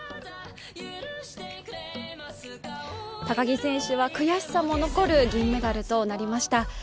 高木選手は悔しさも残る銀メダルとなりました。